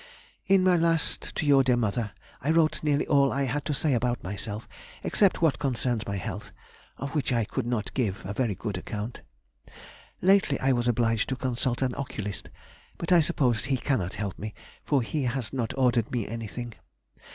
In my last to your dear mother I wrote nearly all I had to say about myself, except what concerns my health, of which I could not give a very good account. Lately I was obliged to consult an oculist, but I suppose he cannot help me, for he has not ordered me anything.